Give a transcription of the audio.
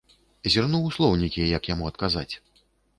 Зірну ў слоўнікі, як яму адказаць.